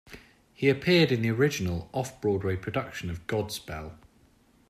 He appeared in the original off-Broadway production of "Godspell".